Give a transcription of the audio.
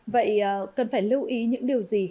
vậy cần phải lưu ý những điều gì